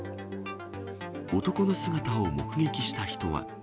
男の姿を目撃した人は。